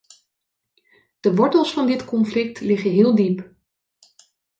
De wortels van dit conflict liggen heel diep.